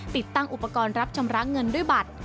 ติดตั้งอุปกรณ์รับชำระเงินด้วยบัตร